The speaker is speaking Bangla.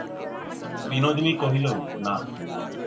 বিনোদিনী কহিল, না।